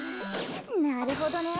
なるほどね。